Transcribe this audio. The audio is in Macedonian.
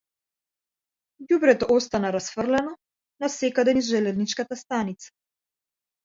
Ѓубрето остана расфрлано насекаде низ железничката станица.